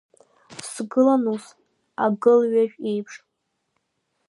Сгылан ус, агылҩажә еиԥш.